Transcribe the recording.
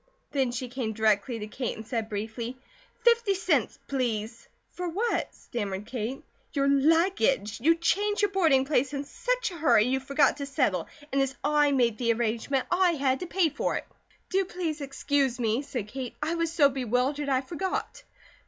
Then she came directly to Kate and said briefly: "Fifty cents, please!" "For what?" stammered Kate. "Your luggage. You changed your boarding place in such a hurry you forgot to settle, and as I made the arrangement, I had to pay it." "Do please excuse me," said Kate. "I was so bewildered, I forgot."